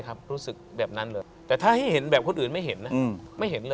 รู้สึกแบบนั้นเลยแต่ถ้าให้เห็นแบบคนอื่นไม่เห็นนะไม่เห็นเลย